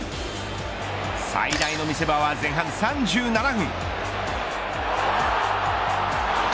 最大の見せ場は前半３７分。